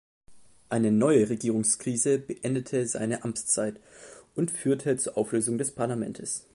Eine neue Regierungskrise beendete seine Amtszeit und führte zur Auflösung des Parlamentes.